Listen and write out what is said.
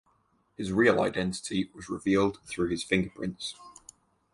His real identity was revealed through his fingerprints.